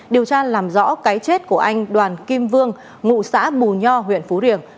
điều tra làm rõ cái chết của anh đoàn kim vương ngụ xã bù nho huyện phú riềng